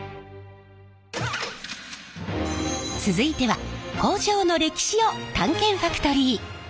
続いては工場の歴史を探検ファクトリー！